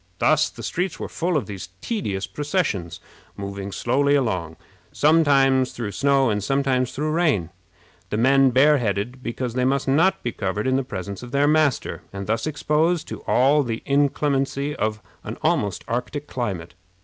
Thus the streets were full of these tedious processions, moving slowly along, sometimes through snow and sometimes through rain, the men bareheaded, because they must not be covered in the presence of their master, and thus exposed to all the inclemency of an almost Arctic climate.